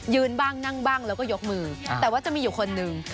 บ้างนั่งบ้างแล้วก็ยกมือแต่ว่าจะมีอยู่คนนึง